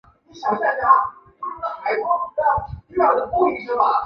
人权的许多价值以强化人的能动性并以普世原则要求所有人应享有此天赋权利。